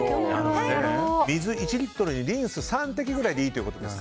水１リットルにリンス３滴ぐらいでいいということです。